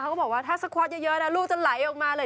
ก็บอกว่าถ้าสควอร์ตเยอะนะลูกจะไหลออกมาเลย